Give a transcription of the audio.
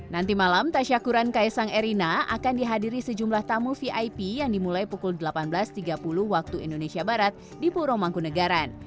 nanti malam tasyakuran kaisang erina akan dihadiri sejumlah tamu vip yang dimulai pukul delapan belas tiga puluh waktu indonesia barat di puro mangkunegaran